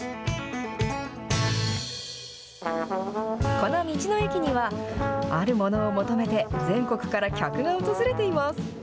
この道の駅には、あるものを求めて、全国から客が訪れています。